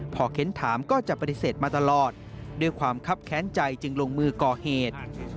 พอเค้นถามก็จะปฏิเสธมาตลอดด้วยความคับแค้นใจจึงลงมือก่อเหตุ